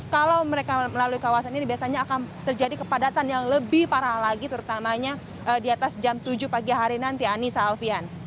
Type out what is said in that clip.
kalau mereka melalui kawasan ini biasanya akan terjadi kepadatan yang lebih parah lagi terutamanya di atas jam tujuh pagi hari nanti anissa alfian